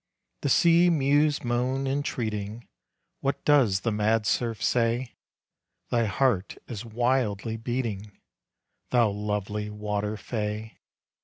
The sea mews moan, entreating, What does the mad surf say? Thy heart is wildly beating, Thou lovely water fay.